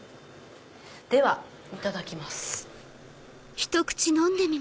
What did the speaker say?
ではいただきます。